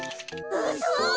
うそ！